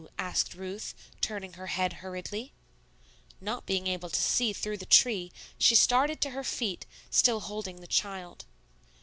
asked Ruth, turning her head hurriedly. Not being able to see through the tree, she started to her feet, still holding the child.